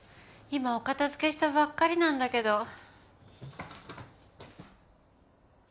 今お片づけしたばっかりなんだけど。